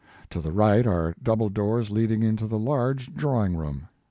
To the right are double doors leading into the large draw ing room.